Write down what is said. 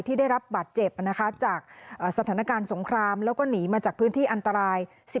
ได้รับบาดเจ็บจากสถานการณ์สงครามแล้วก็หนีมาจากพื้นที่อันตราย